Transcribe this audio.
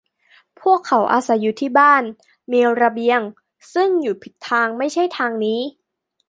พวกเขาอาศัยอยู่ที่บ้าน มีระเบียง ซึ่งอยู่ผิดทาง ไม่ใช่ทางนี้